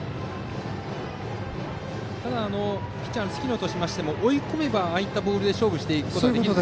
ただピッチャーの月野としても追い込めば、ああいったボールで勝負していくことができると。